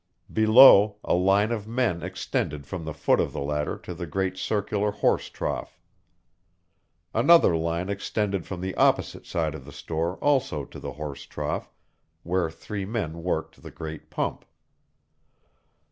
Below, a line of men extended from the foot of the ladder to the great circular horse trough. Another line extended from the opposite side of the store also to the horse trough, where three men worked the great pump.